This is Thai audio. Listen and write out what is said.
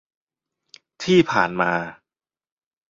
ที่ผ่านมา